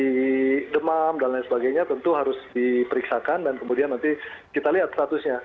jadi demam dan lain sebagainya tentu harus diperiksakan dan kemudian nanti kita lihat statusnya